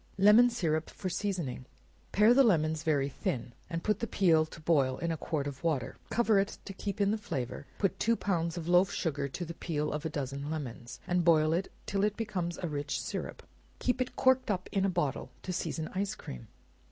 Lemon Syrup for Seasoning. Pare the lemons very thin, and put the peel to boil in a quart of water; cover it, to keep in the flavor; put two pounds of loaf sugar to the peel of a dozen lemons, and boil it till it becomes a rich syrup; keep it corked up in a bottle, to season ice cream.